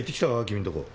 君んとこ。